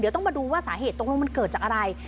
เดี๋ยวต้องมาดูว่าสาเหตุตกลงมันเกิดจากอะไร